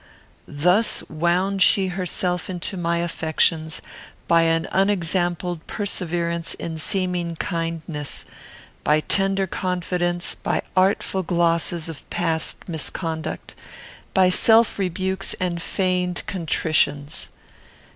Thus wound she herself into my affections, by an unexampled perseverance in seeming kindness; by tender confidence; by artful glosses of past misconduct; by self rebukes and feigned contritions.